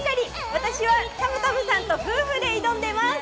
私は、たむたむさんと夫婦で挑んでいます。